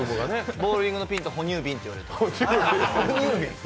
ボウリングの瓶と哺乳瓶っていわれてます。